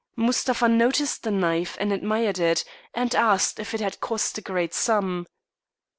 Mustapha noticed the knife and admired it, and asked if it had cost a great sum.